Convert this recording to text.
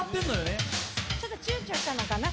ちょっとちゅうちょしたのかな。